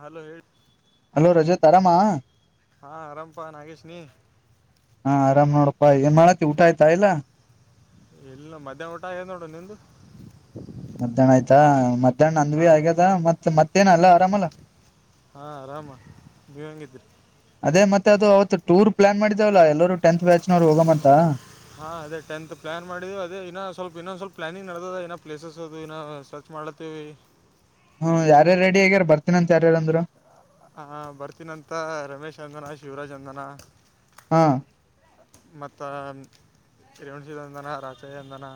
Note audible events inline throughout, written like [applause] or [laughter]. Hello ಹೇಳೇ hello Rajat ಆರಾಮ ಹ ಹಾ ಆರಾಮಪಾ ನಾಗೇಶ್ ನೀ ಆರಾಮ್ ನೋಡ್ ಬ ಮಾಡಕ್ಕೆ ಉಊಟ ಆಾಯ್ತಾ ಇಲ್ಲ ಇಲ್ಲ ಮಧ್ಯಾಹ್ ಊಟ ನೋಡು ನಿ್ದ ಮಧ್ಯಾಹ್ನ ಆಯ್ತಾ ಮಧ್ಯಾಹ್ನ ನಂದ್ವಿ ಆಗ್ಯದ ಮತ್ ಮತ್ತೇನ ಅಲ್ಲ ಆರಾಮಲ್ಲ ಹಾ ಆರಾಮ ನೀವ್ ಹಂಗಿದ್ರಿ ಅದೇ ಮತ್ತೆ ಅದು ಅವತ್ ಟೂರ್ ಪ್ಲಾನ್ ಮಾಡಿದಾವಲ್ಲ ಎಲ್ಲರರು ಟೆಂತ್ ಬ್ಯಾಚ್ನವರು ಹೋಗ್ಂತ ಹಾ ಅದೇ ಟಂತ್ ಪ್ಲಾನ್ ಮಾಡ್ ಅದೇ ಇನ್ನ ಸ್ವಲ್ಪ್ ಇನ್ನೊಂದ ಸ್ವಲ್ಪ್ ಪ್ಲಾನಿಂಗ್ ನೋದ ಏನ ಪ್ಲೇಸಸ್ ಅದು ಇ ಸ್ವ ಮಾಡಳತೀವಿ ಯಾರ್ಯಾರ್ ರೆಡಿ ಆಗ್ಯಾರ ಬರ್ತೀನ ಅಂತ ಯಾರೇಳಂದ್ರು? ಹ ಬರ್ತೀನಂತ ರಮೇಶ್ ಅಂದನ ಶಿವರಾಜ್ ಅಂದನ. ಹಾ ಮತ್ತು ಶೀರಂದನ ರಾಚಯ್ಯಂದಾನ.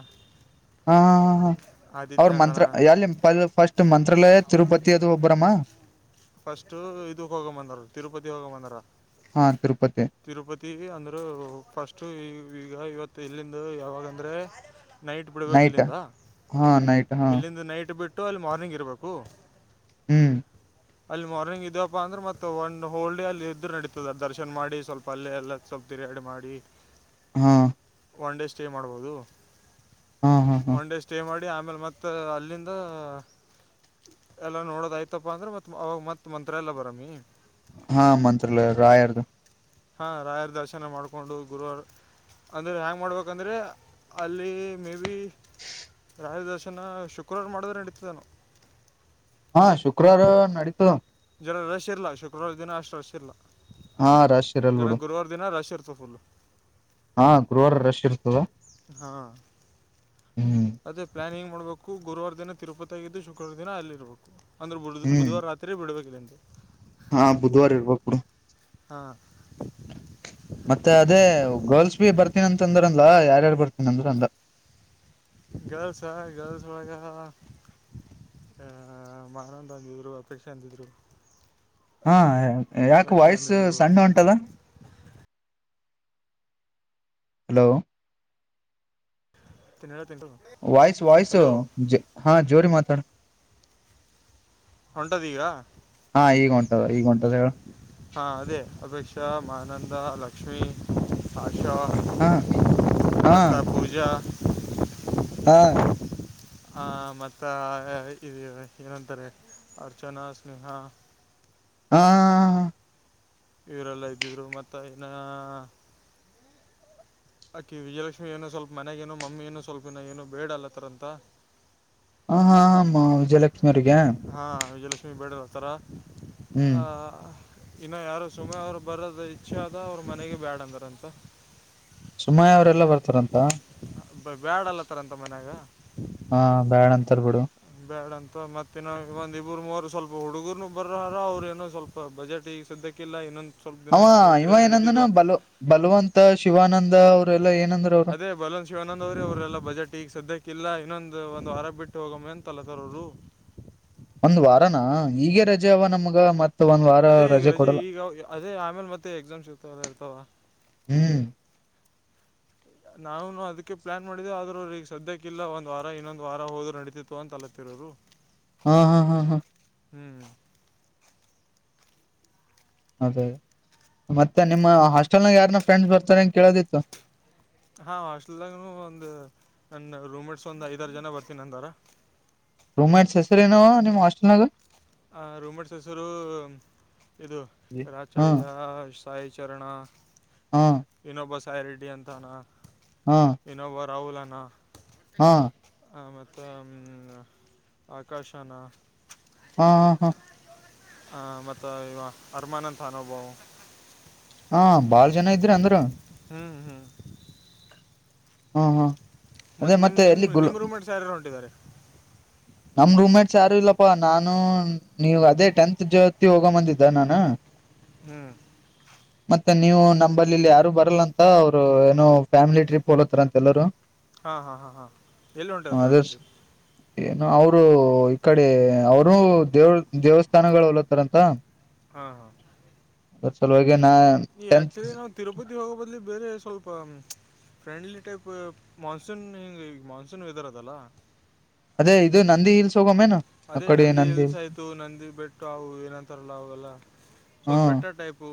ಹಾ ಹಾ ಹಾ ಅವ್ರು ಅಂದನ ಮಂತ್ರ ಎಲ್ಲಿ ಪ ಫಸ್ಟ್ ಮಂತ್ರಾಲಯ ತಿರುಪತಿ ಅದು ಹೋಗ್ಬರಮ್ಮ? ಫಸ್ಟು ಇದಕ್ ಹೋಗಮಂದಾರ ತಿರುಪತಿ ಹೋಗಮಂದಾರ. ಹಾ ತಿರುಪತಿ ತಿರುಪತಿಗೆ ಅಂದ್ರು ಫಸ್ಟು ಈ ಈಗ ಇವತ್ತು ಇಲ್ಲಿಂದ ಯಾವಾಗಂದ್ರೆ ನೈಟ್ ಬಿಡ್ಬೇಕಿಲ್ಲಿಂದ ಹಾ ನೈಟ್ ಹಾ ಇಲ್ಲಿಂದ ನೈಟ್ ಬಿಟ್ಟು ಅಲ್ಲಿ ಮಾರ್ನಿಂಗ್ ಇರ್ಬೇಕು. ಹ್ಮ್ ಅಲ್ಲಿ ಮಾರ್ನಿಂಗ್ ಇದಿವಪ್ಪಾ ಅಂದ್ರೆ ಮತ್ತ ಒಂದ್ ಹೋಲ್ಡೇ ಅಲ್ಲಿ ಇದ್ರ್ ನಡೀತದ ದರ್ಶನ್ ಮಾಡಿ ಸ್ವಲ್ಪ ಅಲ್ಲಿ ಎಲ್ಲ ಸ್ವಲ್ಪ ತ್ತಿರ ಎರಡ್ಡ್ ಮಾಡಿ ಹಾ ಒನ್ ಡೇ ಸ್ಟೇ ಮಾಡ್ಬೋದು ಹಾ ಹಾ ಹಾ ಒನ್ ಡೇ ಸ್ಟೇ ಮಾಡ್ ಡಿ ಆಮೇಲೆ ಮತ್ತ ಅಲ್ಲಿಂದ ಎಲ್ಲಾ ನೋಡೋದಾಯ್ತಪ್ಪ ಅಂದ್ರ ಮತ್ ಅವಾಗ ಮತ್ ಮಂತ್ರಾಲಯ್ ಬರಮಿ. ಹಾ ಮಂತ್ರಾಲಯ ರಾಯರ್ದು. ಹಾ ರಾಯರ ದರ್ಶನ ಮಾಡ್ಕೊಂಡು ಗುರುವಾರ ಅಂದ್ರೆ ಹ್ಯಾಂಗ್ ಮಾಡ್ಬೇಕಂದ್ರೆ ಅಲ್ಲಿ ಮೇ ಬಿ ರಾಯರ್ ದರ್ಶನ ಶುಕ್ರವಾರ ಮಾಡ್ದ್ರೆ ನಡೀತೇನು. ಹಾ ಶುಕ್ರವಾರ ನಡೀತದೆ. ಜನರ ರಶ್ ಇರಲ್ಲ ಶುಕ್ರವಾರ ದಿನ ಅಷ್ಟು ರಶ್ ಇರಲ್ಲ. ಹಾ ರಶ್ ಇರಲ್ ಜರ ಬಿಡು, ಗುರುವಾರ ದಿನ ರಶ್ ಇರ್ತದೆ ಫುಲ್ಲು ಹಾ ಗರ್ವಾರ ರಶ್ ಇರ್ತದ. ಹಾ ಹ್ಮ್ ಅದೆ ಪ್ಲಾನಿಂಗ್ ನೋಡ್ಬೇಕು ಗುರುವಾರ ದಿನ ತಿರುಪತಿಯಾಗಿದ್ದು ಶುಕ್ರವಾರ ದಿನ ಅಲ್ಲಿರ್ಬೇಕು ಅಂದ್ರೆ ಹ್ಮ್ ಬುಧವಾರ ರಾತ್ರಿ ಬಿಡಬೇಕು ಇಲ್ಲಿಂದ. [unintelligible] ಹಾ ಬುಧವಾರ ಇರ್ಬೇಕ್ ಬಿಡು. ಹಾಂ ಮತ್ತೆ ಅದೇ ಗರ್ಲ್ಸ್ ಬಿ ಬರ್ತೀನಂತ ಅಂದ್ರಲ್ಲ ಯಾರ್ಯಾರ್ ಬರ್ತನಿ ಅಂದ್ರ ಅಂತ ಅಂದ. ಗರ್ಲ್ಸಾ ಹ ಗರ್ಲ್ಸ್ ಮಗಾ ಆಹ ಮಾನಂದ ಅಂದಿದ್ರು ಅಪೇಕ್ಷಾ ಅಂದಿದ್ರು. ಹಾ ಯಾಕ ಲಕ್ಷ್ಮಿ ವಾಯ್ಸು ಅಂದಿದ್ರು ಸಣ್ಣ ಒಂಟದ? ಹಲೋ ತಿನ ವಾಯ್ಸ್ ವಾಯ್ಸು ಹಾ ಜೋರಿ ಮಾತಾಡು. ಹೊಂಟದೀಗ ಹಾ ಈಗ ಹೊಂಟದ ಈಗ ಹೊಂಟದ ಹೇಳು. ಹಾ ಅದೇ ಅಪೇಕ್ಷ, ಮಾನಂದ ಲಕ್ಷ್ಮಿ ಹಾ ಹಾ ಮತ್ತ ಪೂಜಾ ಹಾ ಹ ಮತ್ತೆ ಇದು ಏನಂತಾರೆ ಅರ್ಚನಾ ಸ್ನೇಹ ಹಾ ಇವರೆಲ್ಲ ಇದ್ದಿದ್ರು ಮತ್ತ ಇನಾ ಆಕಿ ವಿಜಯಲಕ್ಷ್ಮಿ ಏನೋ ಸ್ವಲ್ಪ ಮನೆಗೇನೋ ಮಮ್ಮಿ ಏನು ಸ್ವಲ್ಪ ಇನ್ನ ಏನೋ ಬೇಡ ಅಲ್ಲತರಂತ. ಹ ಹಾ ವಿಜಯಲ ಹಾ ವಿಜಯಲಕ್ಷ್ಮಿ ಬೇಡದ ಆಂತರ ಹ್ಮ್ ಆ ಇನ್ನು ಯಾರು ಸುಮ ಅವರು ಬರೋದ ಇಚ್ಛೆ ಆದ ಅವ್ರ ಮನೆಗೆ ಬ್ಯಾಡ ಅಂದ್ರಂತ. ಸುಮಯ ಅವರೆಲ್ಲ ಬರ್ತಾರಂತ. ಬ್ಯಾಡ ಅಲ್ಲತರ ಅಂತ ಮನ್ಯಾಗ. ಹಾ ಬ್ಯಾಡ ಅಂತಾರ್ ಬಿಡು. ಅ ಮತ್ತೆನ್ನ ಒಂದ ಇಬ್ರು ಮೂರು ಸ್ವಲ್ಪ ಹುಡುಗರುನು ಬರಾರ ಅವ್ರು ಏನೋ ಸ್ವಲ್ಪ ಬಜೆಟ್ ಈಗ ಸ್ದಕ್ಕಿಲ್ಲ ಇನ್ನೊಂದಂದು ಅವ ಇವ ಏನಂದ್ರನ ಬಲ ಬಲವಂತ ಶಿವಾನಂದ ಅವರೆಲ್ಲ ಅದೇ ಬಲವನ್ ಶಿವಾನಂದ್ ಅವ್ರಿ ಅವ್ರಲ್ಲ ಬಜೆಟ್ ಈಗ ಸದ್ಯಕ್ಕೆ ಇಲ್ಲ ಇನ್ನೊಂದು ಒಂದು್ ವಾರ ಬಿಟ್ಟು ಹೋಗಮ್ಮ ಅಂತಲ್ಲತರರು ಒಂದ್ ವಾರನಾ ಈೀಗ ರಜೆ ಅವ ನಮ್ಗ ಮತ್ತ ಅದೇ ಈಗ ರಜೆ ಈಗ ಅದೇ ಆಮೇಲ್ ಮತ್ತೆ ಎಕ್ಸಾಮ್ ಸಿತ ಎಲ್ಲ ಇರ್ತಾವ ಹ್ಮ್ ನಾವನು ಅದ್ಕ್ಕೆ ಪ್ಲಾನ್ ಮಾಡಿದೇವು ಆದ್ರ ಈಗ ಸದ್ಯಕ್ಕಿಲ್ಲಲ್ಲ ಒಂದ್ ವಾರ ಇನ್ನೊಂದ ವಾರ ಹೋ್ರು ನಡೀತಿತ್ತು ಅಂತ ಅಲತ್ತರು ಶರುೋ ಹ್ಮ್ ಹ್ಮ್ ಹ್ಮ್ ಹ್ಮ್ ಹ್ಮ್ ಅದೇ ಮತ್ತೆ ನಿಮ್ಮ ಹಾಸ್ಟೆಲ್ ನಾಗ ಯಾರನ ಫ್ರೆಂಡ್ಸ್ ಬರ್ತಾರೆ ಅಂತ ಕೇಳೋದಿತ್ತು ಹಾ ಹಾಸ್ಟೆಲ್ಾಗ ಒಂದ್ ನನ್ನ ರೂಮೇಟ್ಸ್ ಒಂದ್ ಐದಾರ ಜನ ಬರ್ತೀನಿ ಅಂದಾರ ರೂಮ್ಟ್ಸ್ ಹೆಸರುೇನವ ನಿಮ್ ಹಸ್ಟೆಲ್ಾಗ ಆ ರೂಮಡ್ ಹೆಸರು ಇದು ಹಾ ರಚಯ್ಯ ಸಾಯಿ ಚರಣ ಹಾ ಇನೋಬ ಸ್ಯಾರಿಡಿ ಅಂತಾನ ಹಾ ಇನೋಬ ರಹುಲನಾ ಹಾ ಮತ್ತು ಆಕಾಶನ ಹಾ ಹಾ ಹಾ ಹ ಮತ್ತ ಇವ ಅರಮಾನತ್ ಅನೋಬ ಹಾ ಬಾಳ ಜನ ಇದ್ರ ಅಂದ್ರ ಹ್ಮಞ ಹ್ಮಞ ಹ್ಮ ಹ್ಮ್ ಮತ್ತತ್ ನಿಮ್ ನಿಮ್ ನಿಮ್ ರೂಮ್ ಸಾರ ಹೊಂಿದ್ದಾರೆ ನಮ ರೂಮ ಮೇಟ್ಸ್ ಯಾರು ಇಲ್ಲಪ್ಪಾ ನಾನು ನೀವ ಅದೇ ಟೆಂತ್ ಜೋತಿ ಹೋಗಂಬಂದಿದ್ದ ನಾನು ಹ್ಮ್ ಮತ್ತೆ ನೀವು ನಂಬಲ್ಲಿಲ್ಲಿ ಯಾರು ಬರಲ್ಲ ಅಂತ ಅವರು ಏನೋ ಫ್ಯಾಮಿಲಿ ಟ್ರಿಪ್ ಹೋಲತ್ತಾರ ಅಂತೆ ಎಲ್ಲರು ಹಾಂ ಹಾಂ ಹಾಂ ಹಾಂ ಎಲ್ಲಿ ಉಂಟದ ಫ್ಯಾಮಿಲಿ ಅದ್ರ ಟ್ರಿಪ್ ಏನು ಅವರು ಈ ಕಡೆ ಅವರು ದೇವ ದೇವಸ್ಥಾನಗಳು ಹೊಲತ್ತಾರಂತ ಹಾ ಹಾ ಅ ಚಲೋ ಈ ಆಕ್ಚುಲಿ ನಾವು ತಿರುಪತಿ ಹೋಗೋ ಬದ್ಲಿ ಬೇರೆ ಸ್ವಲ್ಪ ಸ್ ಫ್ರೆಂಡ್ಲಿ ಟೈಪ್ ಮಾನ್ಸೂನ್ ಹಿಗೆ ಈಗ ಮಾನ್ಸೂನ್ ವೆದರ್ ಅದಲ್ಲ ಅದೇ ಇದು ನಂದಿ ಹಿಲ್ಸ್ ಹೋಗಮೇನು ಆ ಅದೇ ಕಡೆ ನಂದಿ ಇಲ್ಸ ಹಿಲ್ಸ್ ಆಯ್ತು ನಂದಿ ಬೆಟ್ಟು ಅವು ಏನಂತಾರಲ್ಲ ಅವಲ್ಲ ಹ ಸ್ವಲ್ಪ ಬೆಟ್ಟ ಟೈಪ್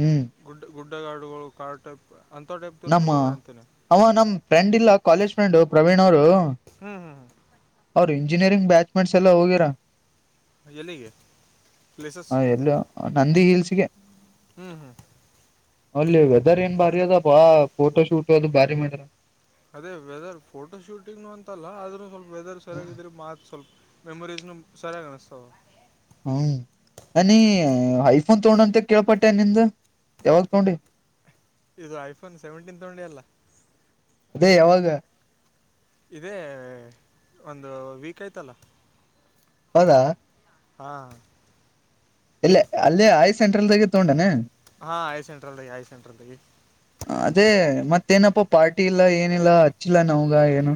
ಹ್ಮ್ ಗುಡ್ಡ ಗುಡ್ಡಗಾಡುಗಳು ಕಾಡು ಟೈಪ್ ಅಂಥ ಟೈಪ್ದಲ್ಲಿ ನಮ್ಮ ಹೋಗೋಮೆ ಅಂತೇನೆ ಅವ ನಮ ಫ್ರೆಂಡ್ ಇಲ್ಲ ಕಾಲೇಜ್ ಫ್ರೆಂಡು ಪ್ರವೀಣ್ ಅವರು ಹ್ಞೂ ಹ್ಞೂ ಹ್ಞೂ ಅವ್ರ ಇಂಜಿನಿಯರಿಂಗ್ ಬ್ಯಾಚ್ಮೆಂಟ್ಸ್ ಎಲ್ಲ ಹೋಗಿರಾ ಎಲ್ಲಿಗೆ ಪ್ಲೇಸಸ್ ಹ ಎಲ್ಲ ನಂದಿ ಹಿಲ್ಸ್ಗೆ ಹ್ಞೂ ಹ್ಞೂ ಅಲ್ಲಿ ವೆದರ್ ಏನ್ ಭಾರಿ ಅದ ಬಾ ಫೋಟೋ ಶೂಟ್ ಅದು ಭಾರಿ ಮಾಡ್ರ ಅದೇ ವೆದರ್ ಫೋಟೋ ಶೂಟಿಂಗ್ ಅಂತಲ್ಲ ಆದ್ರೂ ಸ್ವಲ್ಪ ವೆದರ್ ಸರಿಯಾಗಿದ್ರರಿ ಮಾತ್ ಸ್ವಲ್ಪ ಮೆಮೊರೀಸ್ ನ ಸರಿ ಕಾಣಿಸಸ್ಾವ ಹ್ಮ್ ಅ ನೀ ಐಫೋನ್ ತಗೊಂಡ ಅಂತ ಕೇಳ್ಪಟ್ಟೆ ನಿಂದ ಯಾವಾಗ ತಗೊಂಡಿ ಇದು ಐಫೋನ್ ಸೆವೆಂಟೀನ್ ತಗೊಂಡಿ ಅಲ್ಲ ಅದೇ ಯಾವಾಗ ಇದೇ ಒಂದು ವೀಕ್ ಆಯ್ತಲ್ಲ ಹೌದಾ ಹಾ ಇಲ್ಲ ಅಲ್ಲೇ ಐ ಸೆಂಟ್ರಲ್ದಾಗ ತಗೊಂಡಾನನೆ ಹಾ ಆಯ ಸೆಟದಲ್ಲಿ ಆಯ ಸೆಟ ಲ ಅದೇ ಮತ್ತೇನಪ್ಪ ಪಾರ್ಟಿ ಇಲ್ಲಾ ಏನಿಲ್ಲ ಹಚ್ಚಿಲ್ಲ ನವ್ಗ ಏನು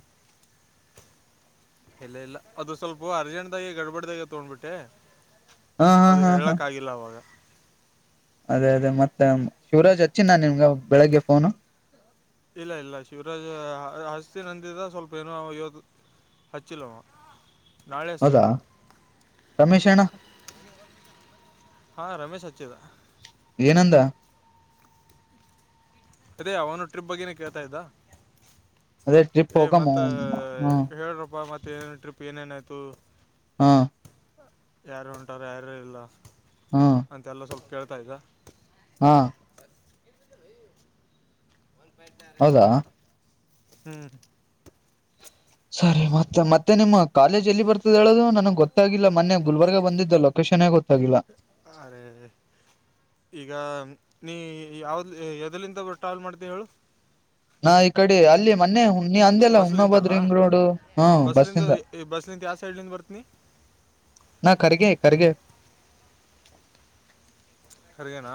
ಇಲ್ಲ ಇಲ್ಲ ಅದು ಸ್ವಲ್ಪ ಅರ್ಜೆಂಟ್ಗಿ ಗಡ್ಬಡ್ದಾಗ ತಗೊಂಡ್ಬಿಟ್ಟೆ ಹಾ ಹಾ ಅದು ಹಾ ಹಾ ಹೇಳಕ್ಕಾಗಿಲ್ಲ ಅವಾಗ ಅದೇ ಅದೇ ಮತ್ತೆ ಶಿವರಾಜ್ ಅಚ್ಚಿ ನಿಮ್ಗ ಬೆಳಗ್ಗೆ ಫೋನು ಇಲ್ಲ ಇಲ್ಲ ಶಿವರಾಜ್ ಹಸ್ತಿ ನಂದಿದ ಸ್ವಲ್ಪ ಏನೋ ಇವತ್ತು ಹಚ್ಚಿಲ್ಲವ ನಾಳೆ ಹಚ್ಚತಿಿರ್ಬೋದು ರಮೇಶಣ್ಣ ಹಾ ರಮೇಶ್ ಸಚ್ಚೇದ ಏನಂದ ಅ ಅವನು ಟ್ರಿಪ್ ಬಗ್ನ ಕೇಳ್ತಾ ಇದ್ದ ಅದೇ ಟ್ರಿಪ್ ಏ ಹೋಗಮ್ಮ ಮತ್ತ ಹ್ಮ್ ಹೇಳ್ರಪ್ಪ ಮತ್ತ ಏನನು ಟ್ರಿಪ್ ಏನೇನಾಯ್ತು ಹಾ ಯಾರು ಉಂಟಾರ ಯಾರು ಇಲ್ಲ ಹ್ಮ್ ಅಂತೆಲ್ಲ ಸ್ವಲ್ ಕೇಳ್ತಾ ಇದ್ದ ಹಾ ಹೌದಾ ಹ ಸರಿ ಮತ್ತೆ ಮತ್ತೆ ನಿಮ್ಮ ಕಾಲೇಜ್ ಎಲ್ಲಿ ಬರ್ತದೆ ಹೇಳೋದು ನನಗೆ ಗೊತ್ತಾಗಿಿಲ್ಲ ಮನೆ ಗುಲ್ಬರ್ಗ ಬಂದಿದ್ದ ಲೊಕೇಶನ್ ಗೊ ಅರೆ ಈಗ ನೀ ಯಾವ್ದ ಎದಲ್ಲಿಂದ ಟ್ರಾವೆಲ್ ಮಾಡ್ತ ಹೇಳು ನಾ ಈ ಕಡೆ ಅಲ್ಲಿ ಮೊನ್ನೆ ಹುಣಿ ಅಂದಲ್ಲ ಹುಣ್ಬೋದ್ ಬಸ್ಲಿಂತಲ್ಲ ರಿಂಗ್ ರೋಡು ಹ ಬಸ್ಸಿಂದ ಸೈಲಿಂದ ಬರ್ತನ ನಾ ಕರೆಗೆ ಖರ್ಗೇನಾ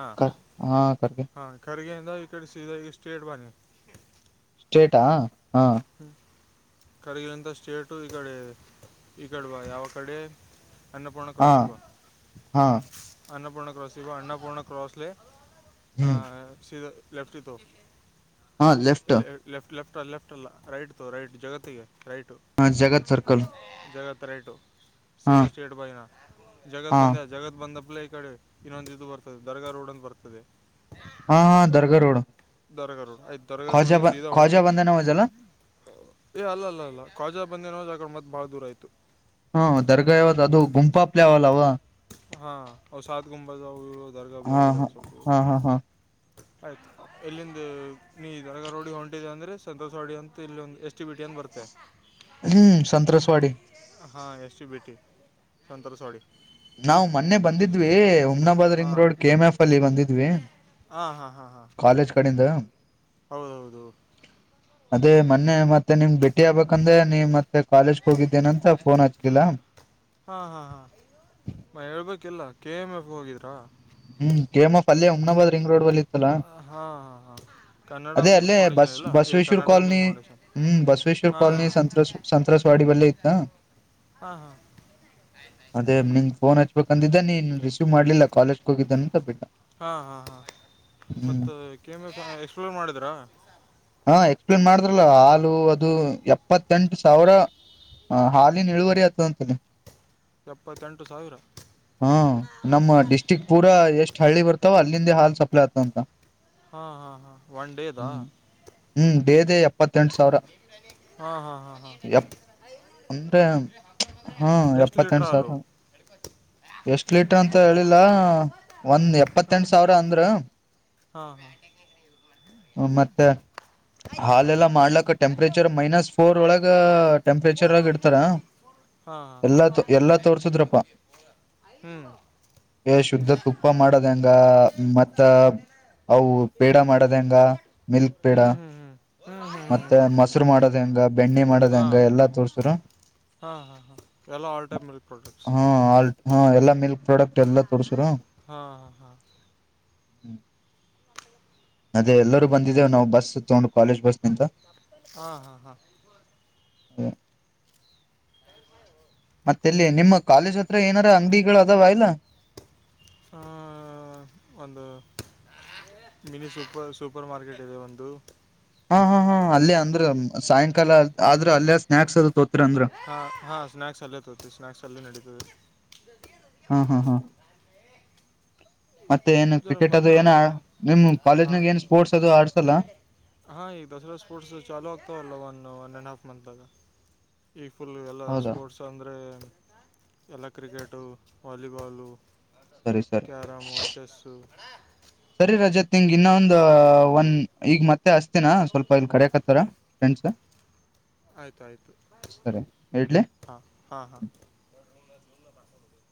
ಕರ್ಗೆ ಹಾ ಖರ್ಗಿಂದ ಈಡೆ ಸ ಸ್ಟ್ರೇಟ್ ಬಾನಿ ಸ್ಟ್ರೇಟಾ ಹಾ ಕರಗಿನಂತ ಸ್ಟೇಟು ಈ ಕಡೆ ಈ ಕಡವಾ ಯಾವ ಕಡೆ ಅನ್ನಪೂರ್ಣಾ ಹಾ ಕ್ರಾಸ್ ಇವ ಹಾ ಅನ್ನಪೂರ್ಣ ಕ್ರಾಸ್ ಇ ಅನ್ನಪೂರ್ಣಾ ಕ್ರಾಸ್ ಹ ಹ್ಮ್ ಸ ಲೆಫ್ಟ ಇ ತು ಹಾ ಲೆಫ್ಟ ಲೆಫ್ಟ್ ಅ ಲೆಫ್ಟ್ ಅಲ್ಲ ರೈಟ್ ತ ರೈಟ್ ಜಗತ್ತಗೆ ರೈಟ್ ಹಾ ಜಗತ್ ಸರ್ಕಲ್ ಹಾ ಸೀರಿ ಸೇಟ್ ಬೈನಾ ಜಗತ್ ಹಾ ಬಂದೆ ಜಗತ್ ಬಂದ ಹಬ್ಲ ಈ ಕಡೆ ಇನ್ನೊಂದು ಇದು ಬರ್ತದೆ ದರ್ಗಾ ರೋಡ್ ಒಂದು ಬರ್ತದೆ ದರಗ ಕೌಜ್ಜ ಜಾ ಬಜಾ ಬಂದನ ಮಜಲ್ಲ ಏ ಅಲ್ಲ ಅಲ್ಲ ಅಲ್ಲ ಕ್ವಾಜಾ ಬಂದ ನೋ್ ಆಕಡೆ ಮತ್ ಬಾಳ ದೂರ ಆಯ್ತು ಹಾ ದರ್ಗಾ ಯಾವತ್ ಅದು ಗುಂಪಾಪ್ಲೆ ಯಾವಲ್ಲವಾ ಹಾ ಔ ಸಾದ ಗುಂಬ ಜವು ಇ ಹಾ ಹಾ ಹಾ ಹಾ ಹಾ ಆಯ್ತು ಇಲ್ಲಿಂದ ನೀಧರಗ ರೋಡಿ ಹೊಂಟಿದೆ ಅಂದ್ರೆ ಸಂತೋಷವಾಡಿ ಅಂತ ಇಲ್ಲಿ ಒಂದ ಎಷ್ಟು ಹ್ಮ್ ಸತ್ರ್ರಸವಾಡಿ ಶ ಬಿಿಟಿ ಶಂತರ ಸವಾಡಿ ನಾಾವವು ಮೊನ್ನೆ ಬಂದಿದ್ವಿ ಉಮ್ನಾಬಾದ್ ರಿಂಗ್ ಹಾಂ ರೋಡ್ ಕೆ ಎಂ ಎಫ್ ಅಲ್ಲಿ ಬಂದಿದ್ವಿ ಕಾಲೇಜ್ ಕಡೆಯಿಂದ ಹೌದೌದು ಅದೇ ಮೊನ್ನೆ ಮತ್ತೆ ನಿಮ್ಗೆ ಭಟ್ಟಿ ಆಗ್ಬೇಕಂದ್ರೆ ನೀ ಮತ್ತೆ ಕಾಲೇಜ್ ಹೋಗಿದ್ದೇನಂತ ಫೋನ್ ಹಚ್ಕಿಲ್ಲ ಹಾಂ ಹಾಂ ಹಾಂ ಮ ಹೇಳ್ಬೇಕ್ ಎಲ್ಲೆ ಕೆ ಎಂ ಎಫ್ ಹೋಗಿದ್ರಾ? ಹ್ಮ್ ಕೆ. ಎಂ ಎಫ್ ಅಲ್ಲೇ ಹಮ್ನಾಬಾದ್ ರೀಂಗ್ ರೋಡ್ ವಲ್ಲಿ ಹಾ ಹಾ ಹಾ ಅದೇ ಅಲ್ಲೇ ಬಸ್ ಬಸವೇಶ್ವರ್ ಕಾಲೋನಿ ಮಿಲ್ಕ್ ಫೌಂಡೇಶನ್ ಹ್ಮ್ ಬಸವೇಶ್ವರ್ ಹಾಂ ಕಾಲೋನಿ ಸತ್ರಸ್ ಸತ್ರಸ್ವಾಡಿ ವಲ್ಲಿ ಹಾ ಹಾ ಹಾ ಪೋನ್ ಹಚ್ಬೇಕ್ ಅಂದಿದ್ದೆ ನೀನ್ ರಿಸೀವ್ ಮಾಡಲಿಲ್ಲ ಕಾಲೇಜ್ಗೆ ಹೋಗಿದ್ದ್ ಹಾ ಹಾ ಹಾ ಹ್ಮ್ ಮತ್ತು ಕೆಮ ಎಕ್ಸ್ಪ್ಲೋರ್ ಮಾಡಿದ್ರಾ ಹಾ ಎಕ್ಸ್ ಪ್ಲೈನ್ ಮಾಡಿದ್ರಲ್ಲ ಹಾಲು ಅದು ಎಪ್ಪತ್ತೆಂಟು ಸಾವಿರ ಹ ಹಾಲಿನ ಇಳುವರಿ ಆತ ಅಂತಿನಿ ಎಪ್ಪತ್ತೆಂಟು ಸಾವಿರ ಹಾ ನಮ್ಮ ಡಿಸ್ಟ್ರಿಕ್ ಪೂರ ಎಷ್ಟ್ ಹಳ್ಳಿ ಬರ್ತಾವೊ ಅಲ್ಲಿಂದ ಹಾಲ್ ಸಪ್ಲೈ ಆತವ ಅಂತ ಹಾ ಹಾ ಹಾ ಒನ್ ಡೇ ದಾ ಹ್ಮ್ ಡೇದೆ ಎಪ್ಪತ್ತೆಂಟು ಸಾವಿರ ಹಾಂ ಹಾಂ ಹಾಂ ಹಾಂ ಎಪ್ಪ್ ಅಂದ್ರೆ ಹಾ ಎಷ್ಟು ಲೀಟ್ರ್ ಎಪ್ಪತ್ತೆಂಟು ಹಾಲು ಸಾವಿರ ಎಷ್ಟ್ ಲೀಟರ್ ಅಂತ ಹೇಳಿಲ್ಲ ಒಂದ್ ಎಪ್ಪತ್ತೆಂಟು ಸಾವಿರ ಅಂದ್ರೂ ಹಾ ಹಾ ಮತ್ತೆ ಹಾಲೆಲ್ಲಾ ಮಾಡ್ಲಕ್ಕ ಟೆಂಪ್ರೇಚರ್ ಮೈನಸ್ ಫೋರ್ ಒಳಗ ಟೆಂಪ್ರೇಚರ್ ಗ ಇಡ್ತಾರ ಹಾಂ ಹಾಂ ಹಾಂ ಎಲ್ಲಾ ತೊ ಎಲ್ಲಾ ತೋರ್ಸದ್ರಪ್ಪ ಹ್ಮ್ ಏ ಶುದ್ಧ ತುಪ್ಪ ಮಾಡೋದ್ ಹೆಂಗ ಮತ್ತೆ ಅವು ಪೇಡ ಮಾಡೋದ್ ಹೆಂಗ ಮಿಲ್ಕ್ ಪೆ ಹ್ಞೂ ಹ್ಞೂ ಹ್ಞೂ ಹ್ಞೂ ಹ್ಞೂ ಹ್ಞೂ ಮತ್ತೆ ಹ್ಞೂ ಮೊಸರು ಮಾಡೋದ್ ಹೆಂಗ ಬೆಣ್ಣೆ ಮಾಡೋದ್ ಹೆಂಗ ಎಲ್ಲಾ ತೋರ್ಸಿದ್ದ್ರೂ ಹ ಹ ಹ ಎಲ್ಲಾ ಆಲ್ಟೈಮ್ ಮಿಲ್ಕ್ ಪ್ರಾಡಕ್ಟ್ಸ್ ಹಾ ಆಲ್ ಹಾ ಎಲ್ಲಾ ಮಿಲ್ಕ್ ಪ್ರಾಡಕ್ಟ್ ಎಲ್ಲಾ ತೋರ್ಸುರ ಹಾ ಹಾ ಹಾ ಹ್ಮ್ ಚೆನ್ನಾಗಿದೆ ಚೆನ್ನಾಗಿದೆ ಕಾಲೇಜ್ ಬಸ್ ನಿಂತ ಹಾ ಹಾ ಹಾ ಮತ್ತೇಲ್ಲಿ ನಿಮ್ಮ ಕಾಲೇಜು ಹಾ ಒಂದು ಮಿನಿ ಸೂಪರ್ ಸೂಪರ್ ಮಾರ್ಕೆಟ್ ಇದೆ ಒಂದು ಹಾ ಹಾ ಹಾ ಅಲ್ಲೇ ಅಂದ್ರೂ ಸಾಯಂಕಾಲ ಆದ್ರೆ ಅಲ್ಲೇ ಸ್ನಾಕ್ಸು ತ ಹಾ ಹಾ ಸ್ನಾಕ್ಸ್ ಅಲ್ಲ ತತಿ ಸ್ನಾಕ್ಸ್ ಅಲ್ಲೇ ನಡೀತದೆ ಹ್ಮ ಹ್ಮ ಹಾ ಮತ್ತೆ ಏನು ಜರ ಕ್ರಿಕೆಟ್ ಅದು ಮತ್ತು ಏನೊ ನಿಮ್ ಕಾಲೇಜ್ನಾಗ ಏನ್ ಸ್ಪೋರ್ಟ್ಸ್ ಅದು ಆಡ್ಸಲ್ಲ ಹಾ ಈ ದಸರಾ ಸ್ಪೋರ್ಟ್ಸ್ ಚಾಲೂ ಆಗತ್ತವಲ್ಲ ಒನ್ ಒನ್ ಆ್ಯಂಡ್ ಹಾಫ್ ಮಂತಾಗ ಈಗ ಪುಲ್ಲು ಎಲ್ಲ ಹೌದಾ ಸ್ಪೋರ್ಟ್ಸ್ ಅಂದರೆ ಎಲ್ಲಾ ಕ್ರಿಕೆಟು ವಾಲಿಬಾಲು ಸರಿ ಸರಿ ಸೊ ಅಣ್ಣ ಜೊತೆ ಹಿಂಗ ಇನ್ನೊಂದು ಒಂದ್ ಈಗ ಮತ್ತೆ ಅಸ್ತನಾ ಸ್ವಲ್ಪ ಇಲ್ ಕರೆಕತ್ತಾರ ಫ್ರೆಂಡ್ಸ್ ಆಯ್ತು ಆಯ್ತು ಸರಿ ಇಡ್ಲಿ ಹಾ ಹಾ ಹಾ [unintelligible]